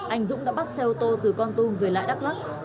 anh dũng đã bắt xe ô tô từ con tum về lại đắk lắc